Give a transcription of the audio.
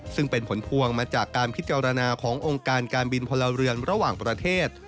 ซึ่งเป็นผลพวงมาจากการพิจารณาขององค์การการบินพลเรือนระหว่างประเทศ